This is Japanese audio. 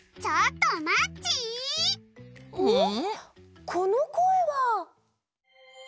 このこえは。